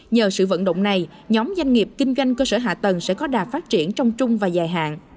nhờ sự vận động này nhóm doanh nghiệp kinh doanh cơ sở hạ tầng sẽ có đà phát triển trong trung và dài hạn